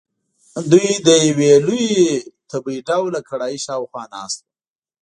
دوی د یوې لویې تبۍ ډوله کړایۍ شاخوا ناست وو.